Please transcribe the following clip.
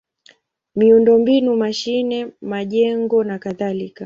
miundombinu: mashine, majengo nakadhalika.